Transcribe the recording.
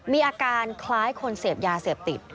มีอาการคล้ายคนเสพยาเสพติด